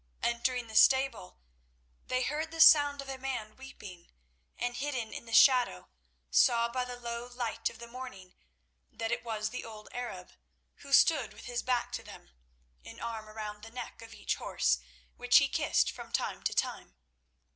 Entering the stable, they heard the sound of a man weeping, and hidden in the shadow, saw by the low light of the morning that it was the old Arab, who stood with his back to them, an arm around the neck of each horse, which he kissed from time to time.